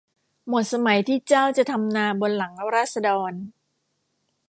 หมดสมัยที่เจ้าจะทำนาบนหลังราษฎร